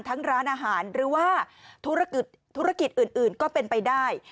ร้านอาหารหรือว่าธุรกิจธุรกิจอื่นก็เป็นไปได้